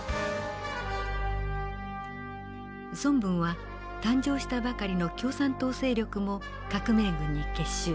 孫文は誕生したばかりの共産党勢力も革命軍に結集。